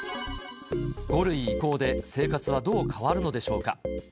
５類移行で生活はどう変わるのでしょうか。